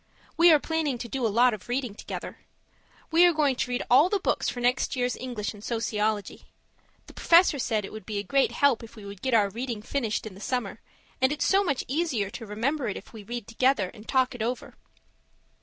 We are planning to do a lot of reading together. We are going to read all of the books for next year's English and sociology. The Professor said it would be a great help if we would get our reading finished in the summer; and it's so much easier to remember it if we read together and talk it over.